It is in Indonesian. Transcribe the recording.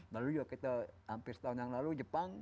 lalu juga kita hampir setahun yang lalu jepang